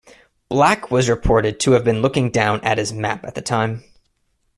Black was reputed to have been looking down at his map at the time.